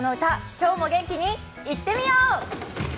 今日も元気にいってみよう！